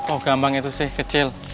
oh gampang itu sih kecil